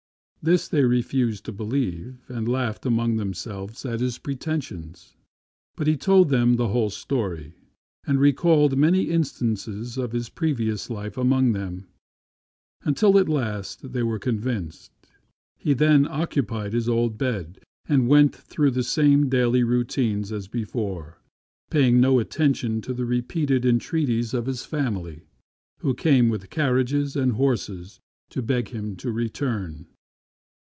This they refused to believe, and laughed among themselves at his pretensions ; but he told them the whole story, and recalled many incidents of his previous life among them, until at last they were convinced. He then occupied his old bed and went through the same daily routine as before, paying no at tention to the repeated entreaties of his family, who came with carriages and horses to beg him to return.